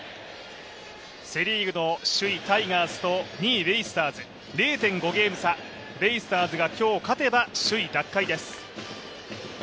セ・リーグの首位・タイガースと２位・ベイスターズ、０．５ゲーム差、ベイスターズが今日勝てば首位奪還です。